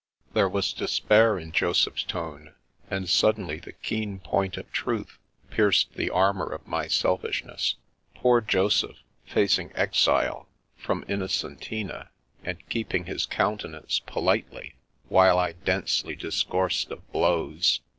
There was de spair in Joseph's tone, and suddenly the keen point of truth pierced the armour of my selfishness. Poor Joseph, facing exile — from Innocentina — and keeping his countenance politely, while I densely discoursed of "blows"!